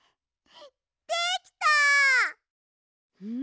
できた！